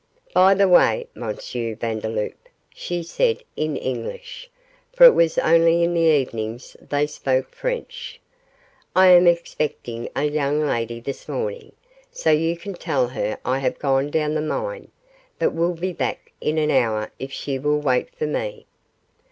'By the way, M. Vandeloup,' she said in English, for it was only in the evenings they spoke French, 'I am expecting a young lady this morning, so you can tell her I have gone down the mine, but will be back in an hour if she will wait for me.